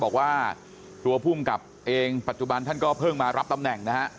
บอกว่าตัวผู้ปัจจุบันท่านเพิ่งมารับตำแหน่ง